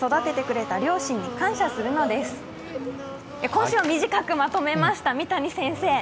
今週は短くまとめました、三谷先生！